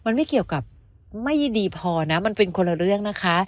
มันไม่เกี่ยวกับไม่ดีพอนะมันเป็นคนละเรื่องนะคะ